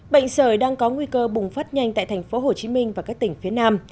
bệnh sởi đang có nguy cơ bùng phát nhanh tại thành phố hồ chí minh và các tỉnh phía nam